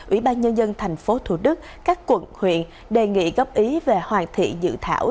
ủy ban nhân dân thành phố thủ đức các quận huyện đề nghị góp ý về hoàn thị dự thảo